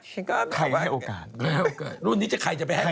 หรอแล้ว